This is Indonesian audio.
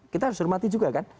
kita harus hormati juga kan